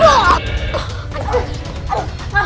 apa yang gaul